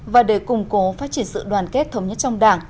và để củng cố phát triển sự đoàn kết thống nhất trong đảng